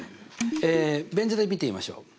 えベン図で見てみましょう。